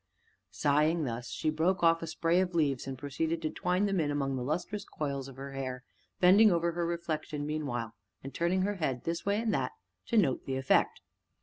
Sighing thus, she broke off a spray of leaves and proceeded to twine them in among the lustrous coils of her hair, bending over her reflection meanwhile, and turning her head this way and that, to note the effect.